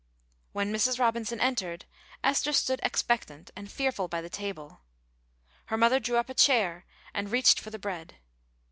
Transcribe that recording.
When Mrs. Robinson entered, Esther stood expectant and fearful by the table. Her mother drew up a chair and reached for the bread.